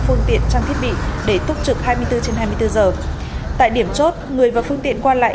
phương tiện trang thiết bị để túc trực hai mươi bốn trên hai mươi bốn giờ tại điểm chốt người và phương tiện qua lại